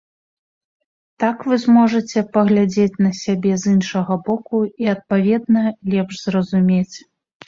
Так вы зможаце паглядзець на сябе з іншага боку, і, адпаведна, лепш зразумець.